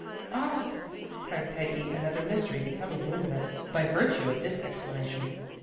" 0! " cried Peggy, another mystery becoming luminous, by virtue of this explanation.